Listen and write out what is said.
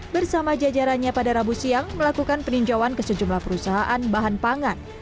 bersama jajarannya pada rabu siang melakukan peninjauan ke sejumlah perusahaan bahan pangan